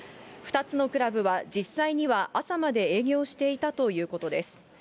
２つのクラブは実際には朝まで営業していたということです。